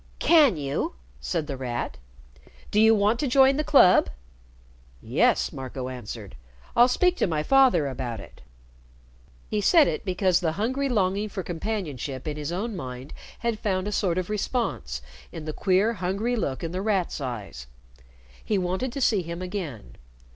"Can you?" said The Rat. "Do you want to join the club?" "Yes!" Marco answered. "I'll speak to my father about it." He said it because the hungry longing for companionship in his own mind had found a sort of response in the queer hungry look in The Rat's eyes. He wanted to see him again.